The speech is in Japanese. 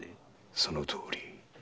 そのとおり。